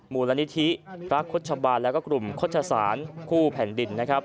มูลนิธิรักษบาลและกลุ่มโฆษศาสตร์ผู้แผ่นดิน